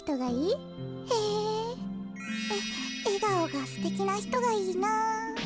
えがおがすてきなひとがいいな。